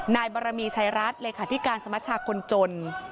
นายบารมีชัยรัฐเลขาธิการสมัชชาคนจน